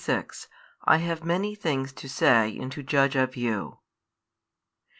26 I have many things to say and to judge of you.